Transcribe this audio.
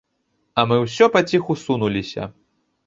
А мы ўсё паціху сунуліся.